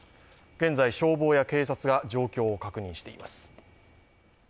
現在、消防や警察が状況を確認しています。